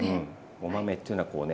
お豆っていうのはこうね